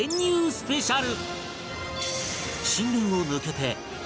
スペシャル